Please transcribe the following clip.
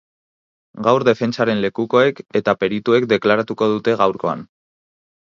Gaur defentsaren lekukoek eta perituek deklaratuko dute gaurkoan.